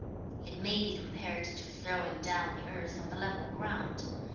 It may be compared to throwing down the earth on the level ground.